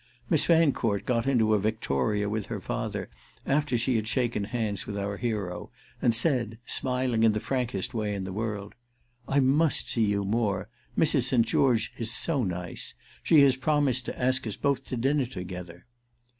Miss Fancourt got into a victoria with her father after she had shaken hands with our hero and said, smiling in the frankest way in the world, "I must see you more. Mrs. St. George is so nice: she has promised to ask us both to dinner together."